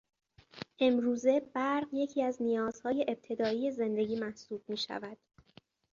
امروزه برق یکی از نیازهای ابتدایی زندگی محسوب میشود.